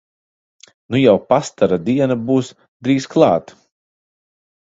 Nu jau pastara diena būs drīz klāt!